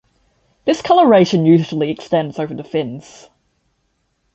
This coloration usually extends over the fins.